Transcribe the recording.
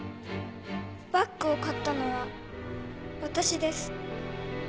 バッグを買ったのは私です。